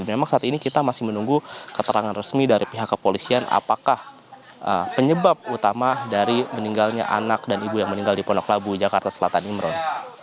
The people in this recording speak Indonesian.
memang saat ini kita masih menunggu keterangan resmi dari pihak kepolisian apakah penyebab utama dari meninggalnya anak dan ibu yang meninggal di pondok labu jakarta selatan imron